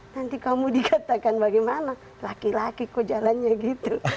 nanti kamu dikatakan bagaimana laki laki kok jalannya gitu